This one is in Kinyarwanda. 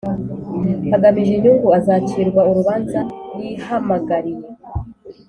agamije inyungu, azacirwa urubanza yihamagariye.